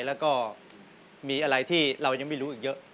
แล้วก็มีอะไรที่เรายังไม่รู้อีกเยอะ